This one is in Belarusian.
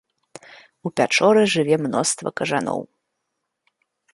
У пячоры жыве мноства кажаноў.